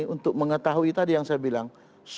untuk mengetahui tadi yang saya bilang